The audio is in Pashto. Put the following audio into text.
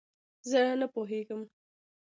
زۀ نۀ پوهېږم.